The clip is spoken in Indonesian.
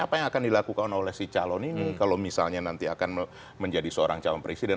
apa yang akan dilakukan oleh si calon ini kalau misalnya nanti akan menjadi seorang calon presiden